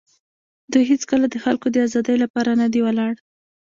دوی هېڅکله د خلکو د آزادۍ لپاره نه دي ولاړ.